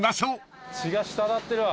血が滴ってるわ。